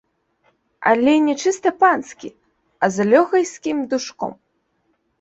Але не чыста панскі, а з лёкайскім душком.